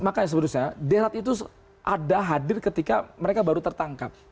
makanya sebetulnya derat itu ada hadir ketika mereka baru tertangkap